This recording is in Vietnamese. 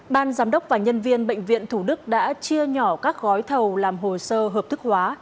ban giám đốc và nhân viên bệnh viện thủ đức đã chia nhỏ các gói thầu làm hồ sơ hợp thức hóa